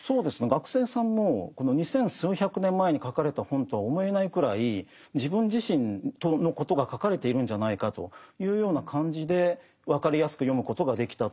学生さんも二千数百年前に書かれた本とは思えないくらい自分自身のことが書かれているんじゃないかというような感じで分かりやすく読むことができたと。